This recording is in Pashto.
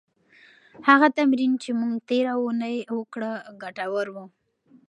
هغه تمرین چې موږ تېره اونۍ وکړه، ګټور و.